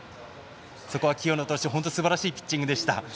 そこは清野投手、本当にすばらしいピッチングでした。